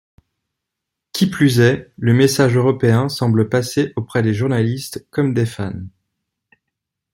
Qui plus est, le message européen semble passer auprès des journalistes comme des fans.